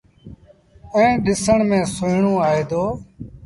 ائيٚݩ ڏسڻ ميݩ سُوئيڻون آئي دو۔